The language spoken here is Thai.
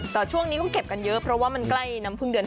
แต่ช่วงนี้ก็เก็บกันเยอะเพราะว่ามันใกล้น้ำพึ่งเดือน